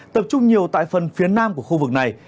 tập trung nhiều tại phần phía nam của khu vực này